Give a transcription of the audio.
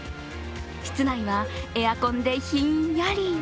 室内はエアコンでひんやり。